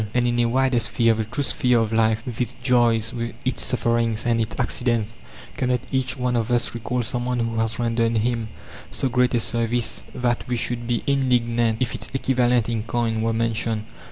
And in a wider sphere, the true sphere of life, with its joys, its sufferings, and its accidents, cannot each one of us recall someone who has rendered him so great a service that we should be indignant if its equivalent in coin were mentioned?